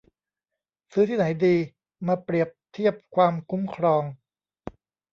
ซื้อที่ไหนดี มาเปรียบเทียบความคุ้มครอง